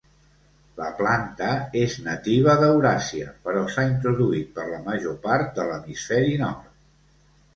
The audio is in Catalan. La planta és nativa d'Euràsia, però s'ha introduït per la major part de l'hemisferi Nord.